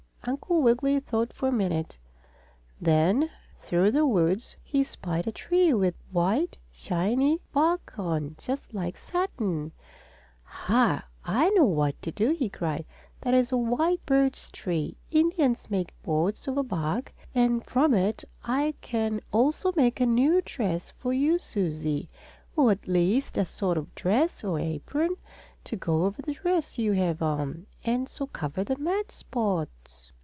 Uncle Wiggily thought for a minute. Then, through the woods, he spied a tree with white, shiny bark on, just like satin. "Ha! I know what to do!" he cried. "That is a white birch tree. Indians make boats of the bark, and from it I can also make a new dress for you, Susie. Or, at least, a sort of dress, or apron, to go over the dress you have on, and so cover the mud spots."